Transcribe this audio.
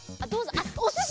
あっおすし！